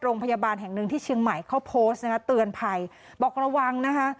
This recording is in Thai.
โรงพยาบาลแห่งหนึ่งที่เชียงใหม่เขาโพสต์นะคะเตือนภัยบอกระวังนะคะ